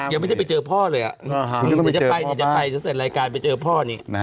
ยังไม่ได้ไปเจอพ่อเลยแต่จะไปจะเสร็จรายการไปเจอพ่อนี่